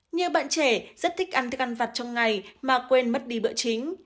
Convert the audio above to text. nhiều bạn trẻ rất thích ăn thức ăn vặt trong ngày mà quên mất đi bữa chính